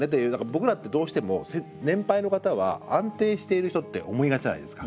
僕らってどうしても年配の方は安定している人って思いがちじゃないですか。